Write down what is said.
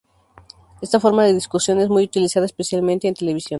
Esta forma de discusión es muy utilizada especialmente en televisión.